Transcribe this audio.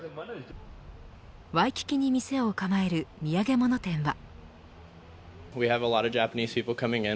ワイキキに店を構える土産物店は。